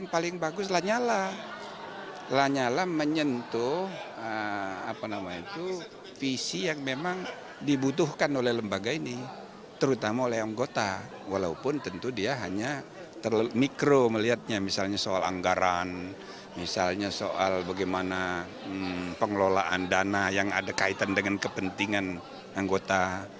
pengelolaan dana yang ada kaitan dengan kepentingan anggota